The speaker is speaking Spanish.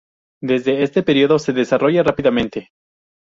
Desde este período se desarrolla rápidamente.